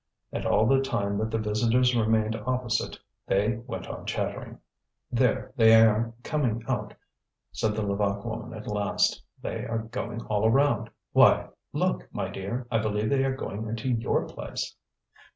And all the time that the visitors remained opposite, they went on chattering. "There, they are coming out," said the Levaque woman at last. "They are going all around. Why, look, my dear I believe they are going into your place."